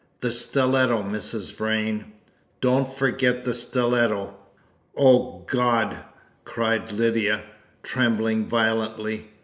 "The stiletto, Mrs. Vrain! Don't forget the stiletto!" "Oh, God!" cried Lydia, trembling violently.